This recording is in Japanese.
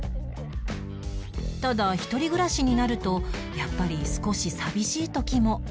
ただ一人暮らしになるとやっぱり少し寂しい時も